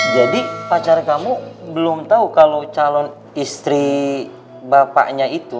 jadi pacar kamu belum tahu kalau calon istri bapaknya itu